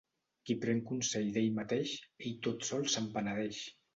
Qui pren consell d'ell mateix, ell tot sol se'n penedeix.